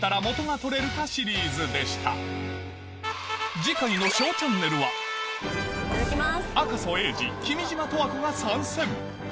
以上次回の『ＳＨＯＷチャンネル』はいただきます。